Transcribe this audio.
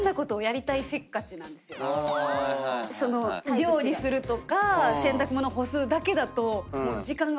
料理するとか洗濯物干すだけだと。